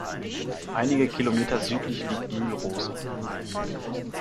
Einige Kilometer südlich liegt Mühlrose.